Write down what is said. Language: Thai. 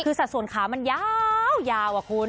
คือสัดส่วนขามันยาวอะคุณ